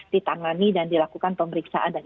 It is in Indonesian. ditangani dan dilakukan pemeriksaan